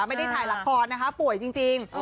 ไม่ได้ถ่ายละครนะคะป่วยจริง